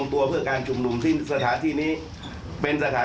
ปฏิตามภาพบังชั่วมังตอนของเหตุการณ์ที่เกิดขึ้นในวันนี้พร้อมกันครับ